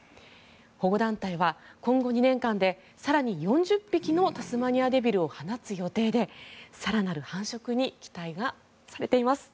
保護団体は今後２年間で更に４０匹のタスマニアデビルを放つ予定で更なる繁殖が期待されています。